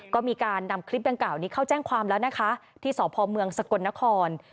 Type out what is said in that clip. ก็มีการนำคลิปเบื้องเก่านี้เขาแจ้งความแล้วนะคะที่สพมสกนคร